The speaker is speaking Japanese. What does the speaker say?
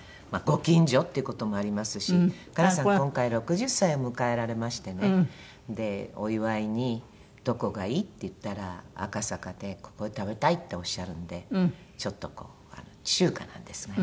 今回６０歳を迎えられましてねお祝いに「どこがいい？」って言ったら赤坂で「ここで食べたい」っておっしゃるんでちょっとこう中華なんですがね